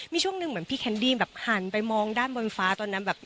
มีช่วงหนึ่งเหมือนพี่แคนดี้แบบหันไปมองด้านบนฟ้าตอนนั้นแบบ